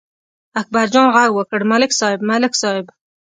اکبرجان غږ وکړ: ملک صاحب، ملک صاحب!